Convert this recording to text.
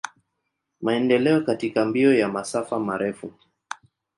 Maendeleo katika mbio ya masafa marefu.